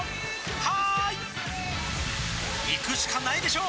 「はーい」いくしかないでしょ！